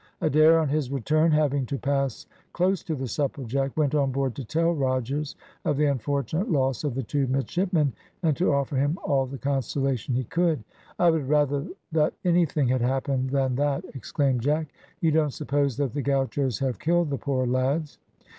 Adair on his return having to pass close to the Supplejack, went on board to tell Rogers of the unfortunate loss of the two midshipmen, and to offer him all the consolation he could. "I would rather that anything had happened than that," exclaimed Jack. "You don't suppose that the gauchos have killed the poor lads?"